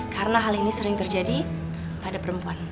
karena hal ini sering terjadi pada perempuan